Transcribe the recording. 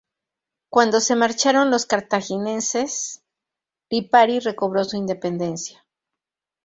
Cuando se marcharon los cartagineses, Lipari recobró su independencia.